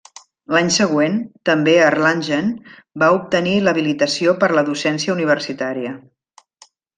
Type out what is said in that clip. L'any següent, també a Erlangen, va obtenir l'habilitació per la docència universitària.